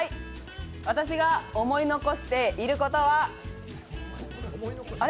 私が思い残していることはあれ？